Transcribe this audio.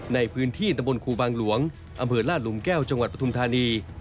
ในพื้นที่ตะบนครูบางหลวงอำเภอลาดหลุมแก้วจังหวัดปฐุมธานี